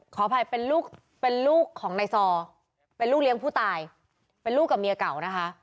ขออภัยเป็นลูกเป็นลูกของนายซอเป็นลูกเลี้ยงผู้ตายเป็นลูกกับเมียเก่านะคะ